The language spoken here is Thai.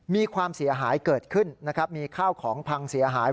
มีความเสียหายเกิดขึ้นนะครับมีข้าวของพังเสียหาย